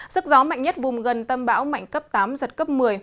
sức gió mạnh nhất vùng gần tâm bão mạnh cấp tám giật cấp một mươi